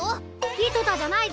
いとたじゃないぞ！